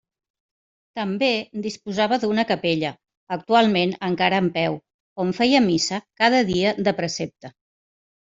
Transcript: També disposava d'una capella, actualment encara en peu, on feia missa cada dia de precepte.